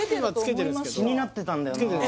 今着けてるんですけど気になってたんだよな